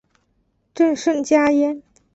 朕甚嘉焉。